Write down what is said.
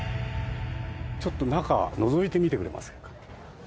ちょっと中のぞいてみてくれませんか？